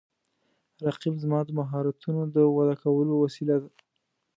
رقیب زما د مهارتونو د وده کولو وسیله ده